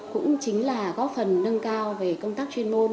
cũng chính là góp phần nâng cao về công tác chuyên môn